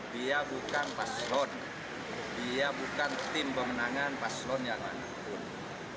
dia bukan paslon dia bukan tim pemenangan paslon yang manapun